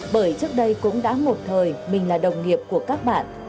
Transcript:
bởi trước đây cũng đã một thời mình là đồng nghiệp của các bạn